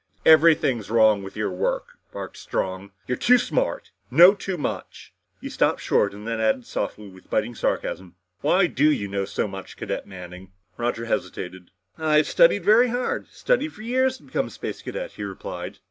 "Everything's wrong with your work," barked Strong. "You're too smart! Know too much!" He stopped short and then added softly with biting sarcasm, "Why do you know so much, Cadet Manning?" Roger hesitated. "I've studied very hard. Studied for years to become a Space Cadet," he replied.